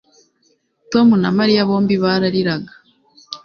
Tom na Mariya bombi barariraga